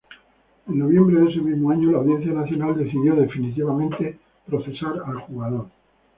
En noviembre de ese mismo año, la Audiencia Nacional decidió definitivamente procesar al jugador.